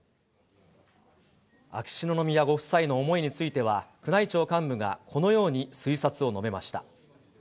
秋篠宮ご夫妻の思いについては、宮内庁幹部がこのように推察を述べました。